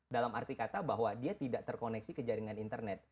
dalam arti kata bahwa dia tidak terkoneksi ke jaringan internet